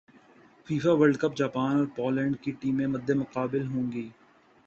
FIFA world cup Japan اور Poland کی ٹیمیں مدمقابل ہوں گی